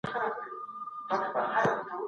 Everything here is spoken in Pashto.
هغې به په خپله کتابچه کي شعرونه لیکل.